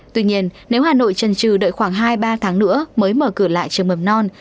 tuy nhiên nếu hà nội trần trừ đợi khoảng hai ba tháng nữa mới mở cửa lại trường mầm non